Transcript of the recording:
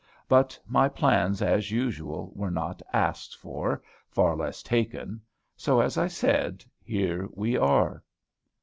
But my plans, as usual, were not asked for, far less taken. So, as I said, here we are.